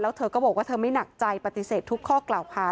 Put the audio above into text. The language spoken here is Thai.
แล้วเธอก็บอกว่าเธอไม่หนักใจปฏิเสธทุกข้อกล่าวหา